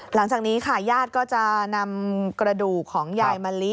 หลังจากนี้ค่ะญาติก็จะนำกระดูกของยายมะลิ